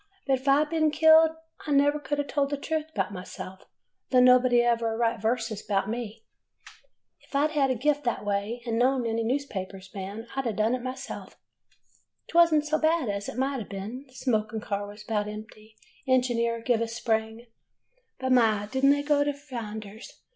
'But if I had been killed, I never could a' told the truth 'bout myself, though nobody 'll ever write verses 'bout me.' "If I 'd had a gift that way, and known any newspaper man, I 'd a done it myself. " 'T was n't so bad as it might ha' been. Smoking car was about empty, engineer give a spring, but, my! did n't they go to flinders!